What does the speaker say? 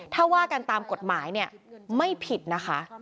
ถ้าว่าการตามกฎหมายไม่ผิดนะคะ